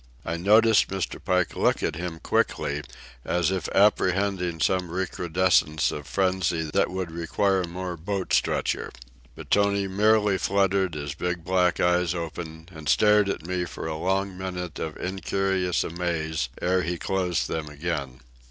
I noticed Mr. Pike look at him quickly, as if apprehending some recrudescence of frenzy that would require more boat stretcher. But Tony merely fluttered his big black eyes open and stared at me for a long minute of incurious amaze ere he closed them again.